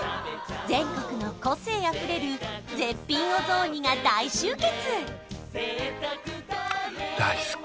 全国の個性あふれる絶品お雑煮が大集結！